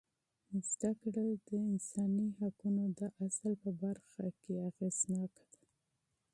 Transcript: زده کړه د بشري حقونو د اصل په برخه کې مؤثره ده.